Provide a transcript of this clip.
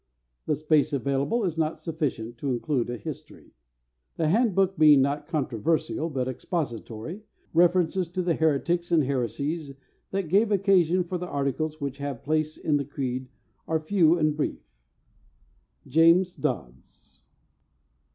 The space available is not sufficient to include a history. The Handbook being not controversial but expository, references to the heretics and heresies that gave occasion for the articles which have place in the Creed are few and brief. JAMES DODDS.